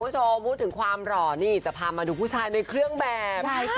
ท่านพูดถึงความเหรอนี่จะพามดูผู้ชายในเครื่องแบบ